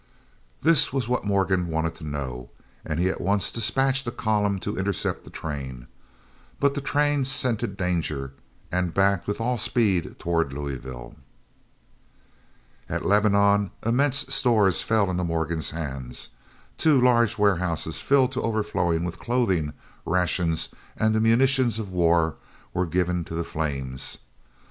This was what Morgan wanted to know, and he at once dispatched a column to intercept the train. But the train scented danger, and backed with all speed toward Louisville. At Lebanon immense stores fell into Morgan's hands. Two large warehouses filled to overflowing with clothing, rations, and the munitions of war were given to the flames.